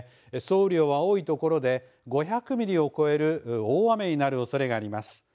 雨量は多い所で５００ミリを超える大雨になるおそれがあります。